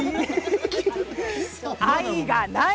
愛がない！